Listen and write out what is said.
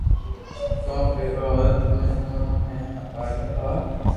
ڪون پيروا ھوئي تمي ھڻَو ھين ٻآجو سوال